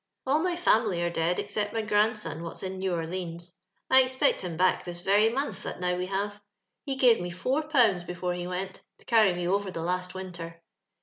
All my family are dead, except my grandson, what's in New Orleans. I expect him back this very month that now we have: he gave me four pounds before he went, to carry me over the last winter.